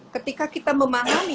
ketika kita memahami